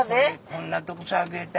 こんなとこさ上げた？